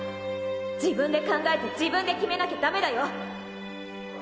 自分で考えて自分で決めなきゃダメだよ